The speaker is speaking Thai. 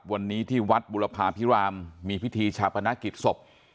วันนี้ที่วัดบุรพาพิรามมีพิธีชาปนกิจศพ